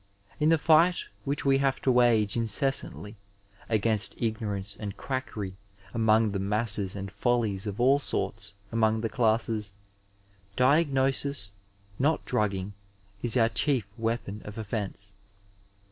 In the fight which we have to wage incessantly against ignorance and quackery among the masses and follies of all sorts among the classes, diagnosis, not drugging, is our chief weapon of offence.